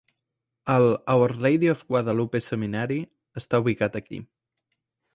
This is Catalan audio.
El "Our Lady of Guadalupe Seminary" està ubicat aquí.